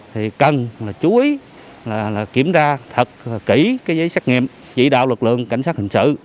thì cần chú ý kiểm tra thật kỹ giấy xét nghiệm chỉ đạo lực lượng cảnh sát hình sự